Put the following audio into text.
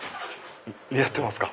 似合ってますか？